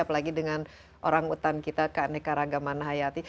apalagi dengan orang utan kita keanekaragaman hayati